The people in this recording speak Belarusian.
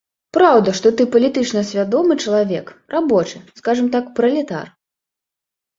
Праўда, што ты палітычна свядомы чалавек, рабочы, скажам так, пралетар.